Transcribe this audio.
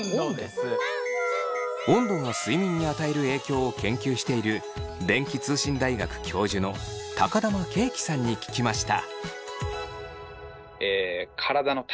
温度が睡眠に与える影響を研究している電気通信大学教授の玉圭樹さんに聞きました。